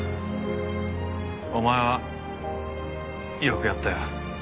お前はよくやったよ。